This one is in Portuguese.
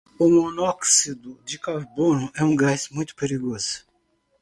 O monóxido de carbono é um gás muito perigoso.